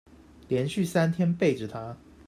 連續三天背著她